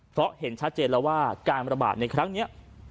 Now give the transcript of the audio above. เพราะเห็นชัดเจนแล้วว่าการระบาดในครั้งนี้